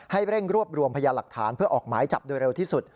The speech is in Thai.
เร่งรวบรวมพยาหลักฐานเพื่อออกหมายจับโดยเร็วที่สุด